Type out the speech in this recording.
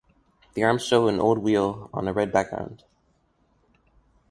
The arms show an old wheel on a red background.